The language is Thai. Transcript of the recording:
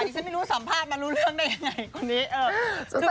ฉันไม่รู้สัมภาษณ์มารู้เรื่องได้ยังไงคนนี้